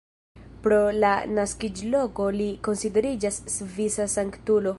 Pro la naskiĝloko li konsideriĝas svisa sanktulo.